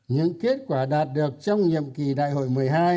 những kết quả đạt được trong nhiệm kỳ đại hội một mươi hai